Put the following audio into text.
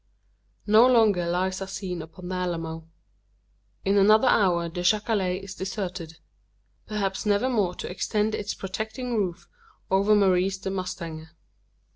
No longer lies our scene upon the Alamo. In another hour the jacale is deserted perhaps never more to extend its protecting roof over Maurice the mustanger.